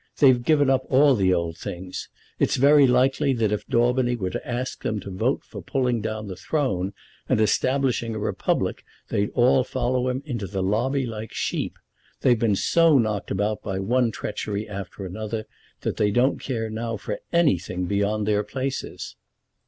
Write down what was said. They've given up all the old things. It's very likely that if Daubeny were to ask them to vote for pulling down the Throne and establishing a Republic they'd all follow him into the lobby like sheep. They've been so knocked about by one treachery after another that they don't care now for anything beyond their places."